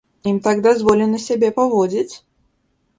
Ім так дазволена сябе паводзіць?